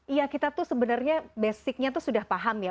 iya kita tuh sebenarnya basicnya tuh sudah paham ya